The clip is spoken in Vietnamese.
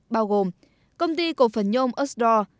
bao gồm công ty cổ phần nhôm osdor